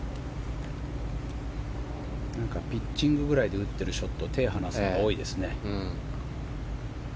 ピッチングくらいで打っているショットは手を放すのが多いですね。